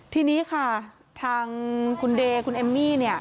ทีนี้ค่ะทางคุณเดย์คุณเอมมี่เนี่ย